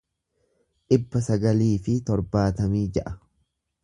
dhibba sagalii fi torbaatamii ja'a